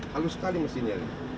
halus sekali mesinnya ini